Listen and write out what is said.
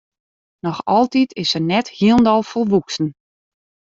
Noch altyd is se net hielendal folwoeksen.